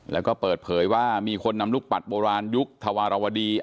แล้วก็เปิดเผยว่ามีคนนำลูกปัดโบราณยุคธวารวดี